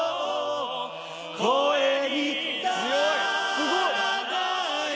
・すごい！